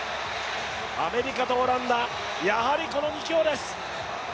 アメリカとオランダ、やはりこの２強です。